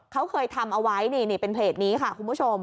เขาเคยทำเอาไว้นี่เป็นเพจนี้ค่ะคุณผู้ชม